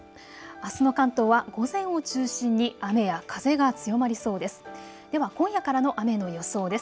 あすの関東は午前を中心に雨や風が強まりそうです。